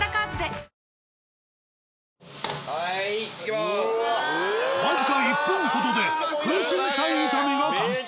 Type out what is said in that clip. もう僅か１分ほどで空芯菜炒めが完成。